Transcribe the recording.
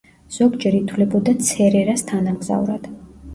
ზოგჯერ ითვლებოდა ცერერას თანამგზავრად.